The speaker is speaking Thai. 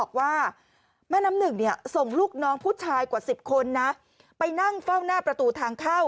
กว่าสิบคนนะไปนั่งเฝ้าหน้าประตูทางเข้า